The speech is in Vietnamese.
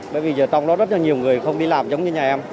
bởi vì trong đó rất nhiều người không đi làm giống như nhà em